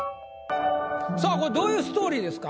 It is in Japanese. これどういうストーリーですか？